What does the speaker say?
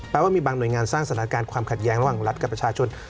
ว่ามีบางหน่วยงานสร้างสถานการณ์ความขัดแย้งระหว่างรัฐกับประชาชน